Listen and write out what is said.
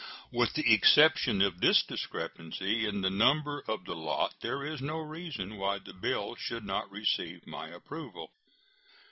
With the exception of this discrepancy in the number of the lot there is no reason why the bill should not receive my approval.